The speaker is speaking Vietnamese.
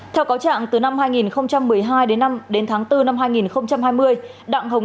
theo cáo trạng từ năm hai nghìn một mươi hai đến năm đến tháng bốn năm hai nghìn hai mươi